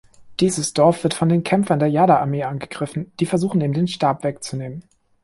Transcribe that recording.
Dieses Dorf wird von Kämpfern der Jade-Armee angegriffen, die versuchen ihm den Stab wegzunehmen.